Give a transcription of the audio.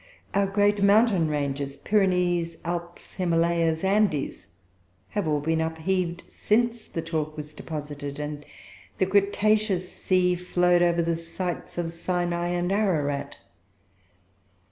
Our great mountain ranges, Pyrenees, Alps, Himalayas, Andes, have all been upheaved since the chalk was deposited, and the cretaceous sea flowed over the sites of Sinai and Ararat.